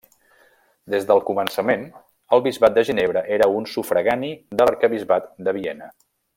Des del començament el bisbat de Ginebra era un sufragani de l'Arquebisbat de Viena.